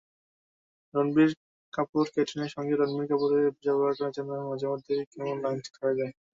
রণবির কাপুরক্যাটরিনার সঙ্গে রণবির কাপুরের বোঝাপড়াটা যেন মাঝেমধ্যেই কেমন লাইনচ্যুত হয়ে যায়।